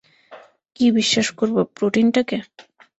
কী বিশ্বাস করব, প্রোটিনটাকে?